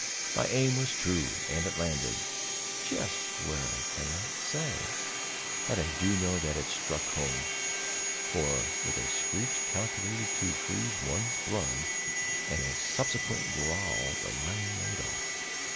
My aim was true and it landed just where I cannot say, but I do know that it struck home; for, with a screech calculated to freeze one's blood, and a subsequent growl, the lion made off.